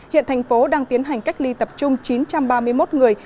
hiện thành phố đang tiến hành cách ly tập trung chín trăm ba mươi một người